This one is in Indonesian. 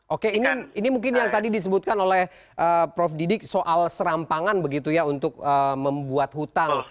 oke ini mungkin yang tadi disebutkan oleh prof didik soal serampangan begitu ya untuk membuat hutang